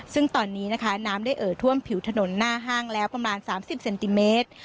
ซึ่งตอนนี้นะคะน้ำได้เอ่อท่วมผิวถนนหน้าห้างแล้วประมาณ๓๐เซนติเมตร